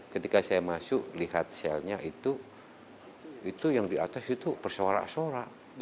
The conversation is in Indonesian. ketika saya masuk lihat selnya itu itu yang di atas itu bersorak suara